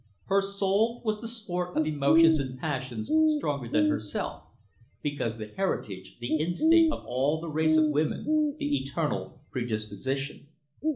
Her soul was the sport of emotions and passions stronger than herself, because the heritage, the instinct, of all the race of women, the eternal predisposition.